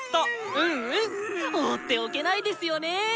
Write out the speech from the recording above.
うんうん放っておけないですよね。